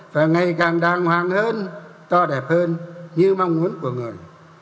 và ngày càng đàng hoàng hơn to đẹp hơn như mong muốn của người